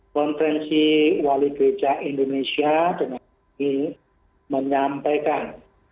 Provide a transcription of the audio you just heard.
konferensi wali gereja indonesia dengan menyampaikan